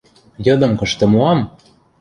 — Йыдым кышты моам?..